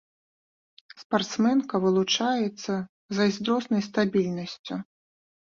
Спартсменка вылучаецца зайздроснай стабільнасцю.